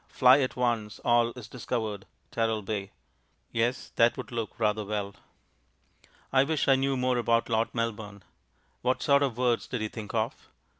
"Fly at once; all is discovered Teralbay." Yes, that would look rather well. I wish I knew more about Lord Melbourne. What sort of words did he think of?